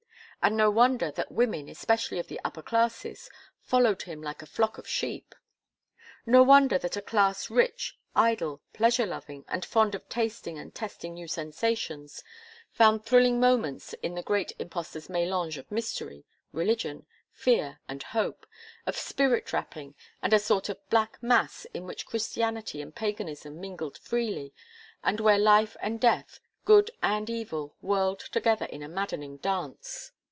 And no wonder that women, especially of the upper classes, followed him like a flock of sheep! No wonder that a class rich, idle, pleasure loving, and fond of tasting and testing new sensations, found thrilling moments in the great impostor's mélange of mystery, religion, fear, and hope; of spirit rapping and a sort of "black mass" in which Christianity and Paganism mingled freely, and where life and death, good and evil, whirled together in a maddening dance.